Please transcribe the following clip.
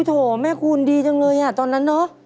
โถแม่คูณดีจังเลยอ่ะตอนนั้นเนอะ